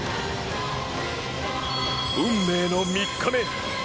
運命の３日目。